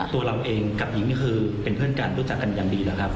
ตัวเราเองกับหญิงนี่คือเป็นเพื่อนกันรู้จักกันอย่างดีแล้วครับ